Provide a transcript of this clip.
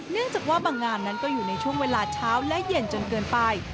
เนื่องจากว่าบางงานนั้นก็อยู่ในช่วงเวลาเช้าและเย็นจนเกินไป